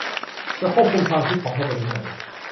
จะควบคุมความคิดของคนไปถึงไหน ?